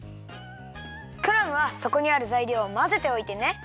クラムはそこにあるざいりょうをまぜておいてね。